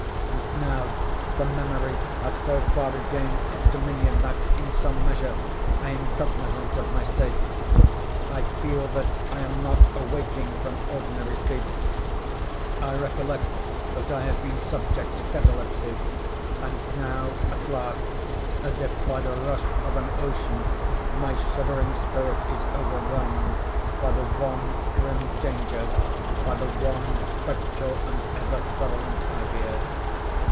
And now the memory has so far regained its dominion, that, in some measure, I am cognizant of my state. I feel that I am not awaking from ordinary sleep. I recollect that I have been subject to catalepsy. And now, at last, as if by the rush of an ocean, my shuddering spirit is overwhelmed by the one grim Danger—by the one spectral and ever prevalent idea.